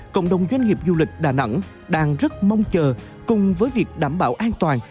cộng đồng doanh nghiệp du lịch đà nẵng đang rất mong chờ cùng với việc đảm bảo an toàn